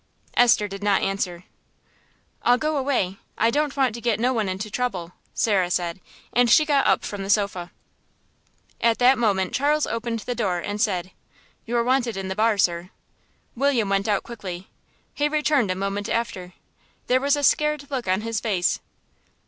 Esther did not answer. "I'll go away. I don't want to get no one into trouble," Sarah said, and she got up from the sofa. At that moment Charles opened the door, and said, "You're wanted in the bar, sir." William went out quickly. He returned a moment after. There was a scared look on his face.